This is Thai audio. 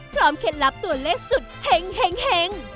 พร้อมเคล็ดลับตัวเล็กสุดเฮ็ง